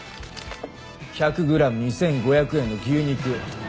１００グラム２５００円の牛肉。